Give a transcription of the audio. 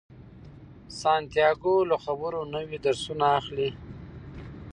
سانتیاګو له خبرو نوي درسونه اخلي.